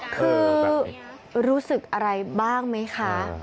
คือรู้สึกอะไรบ้างไหมคะ